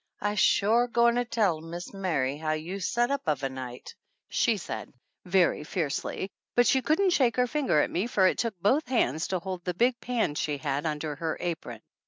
"I'se shore goin' 'er tell Mis' Mary how you set up uv a night," she said, very fiercely, but she couldn't shake her finger at me for it took both hands to hold the big pan she had under her apron.